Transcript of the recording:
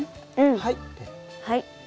はい。